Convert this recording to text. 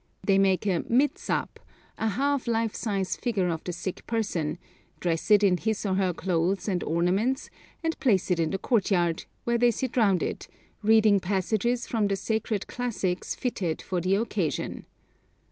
They make a mitsap, a half life size figure of the sick person, dress it in his or her clothes and ornaments, and place it in the courtyard, where they sit round it, reading passages from the sacred classics fitted for the occasion.